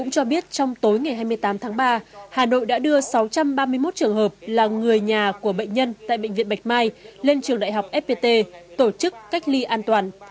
cho biết trong tối ngày hai mươi tám tháng ba hà nội đã đưa sáu trăm ba mươi một trường hợp là người nhà của bệnh nhân tại bệnh viện bạch mai lên trường đại học fpt tổ chức cách ly an toàn